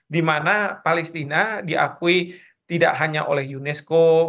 dimana palestina diakui tidak hanya oleh unesco